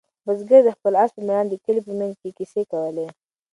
بزګر د خپل آس په مېړانه د کلي په منځ کې کیسې کولې.